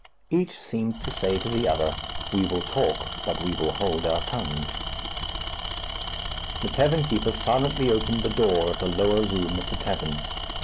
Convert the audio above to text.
Each seemed to say to the other, "We will talk, but we will hold our tongues." The tavern keeper silently opened the door of the lower room of the tavern.